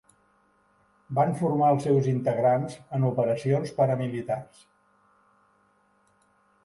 Van formar els seus integrants en operacions paramilitars.